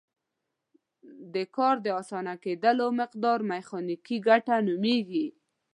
د کار د اسانه کیدلو مقدار میخانیکي ګټه نومیږي.